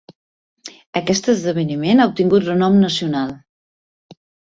Aquest esdeveniment ha obtingut renom nacional.